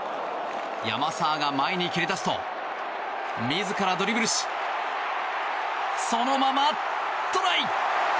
山沢が前に蹴り出すと自らドリブルしそのままトライ！